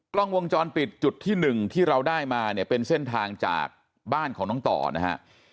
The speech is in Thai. กล้องวงจรปิดจุดที่หนึ่งที่เราได้มาเนี่ยเป็นเส้นทางจากบ้านของน้องต่อนะฮะ